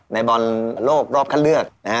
ในบอลโลกรอบคัดเลือกนะฮะ